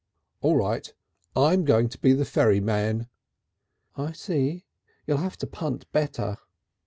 "All right. I'm going to be the ferryman." "I see. You'll have to punt better."